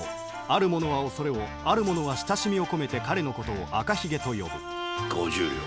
ある者は恐れをある者は親しみを込めて彼のことを赤ひげと呼ぶ５０両。